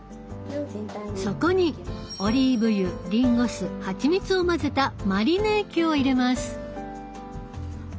そこにオリーブ油りんご酢ハチミツを混ぜたマリネ液を入れます。